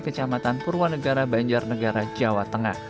kecamatan purwonegara banjar negara jawa tengah